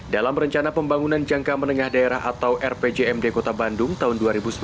dalam rencana pembangunan jangka menengah daerah atau rpjmd kota bandung tahun dua ribu sembilan belas dua ribu dua puluh tiga